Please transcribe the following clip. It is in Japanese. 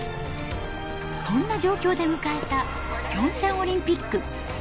そんな状況で迎えた、ピョンチャンオリンピック。